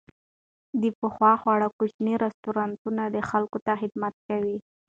د پخو خوړو کوچني رستورانتونه خلکو ته خدمت کوي.